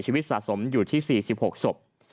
ชีวิตสะสมอยู่ที่๔๖ศพ